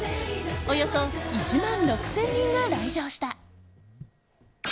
およそ１万６０００人が来場した。